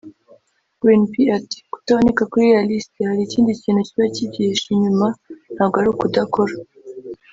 Green P ati “ Kutaboneka kuri iriya list hari ikindi kintu kiba kibyihishe inyuma ntabwo ari ukudakora